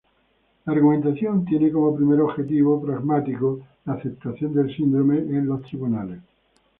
La argumentación tiene como primer objetivo pragmático la aceptación del síndrome en los tribunales.